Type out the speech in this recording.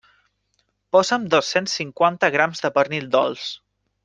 Posa'm dos-cents cinquanta grams de pernil dolç.